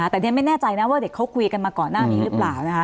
แต่เรียนไม่แน่ใจนะว่าเด็กเขาคุยกันมาก่อนหน้านี้หรือเปล่านะคะ